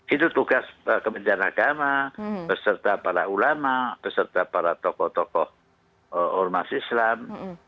itu tugas kementerian agama beserta para ulama beserta para tokoh tokoh ormas islam